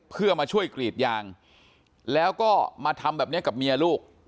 เพื่อมาช่วยกรีดยางแล้วก็มาทำแบบนี้กับเมียลูก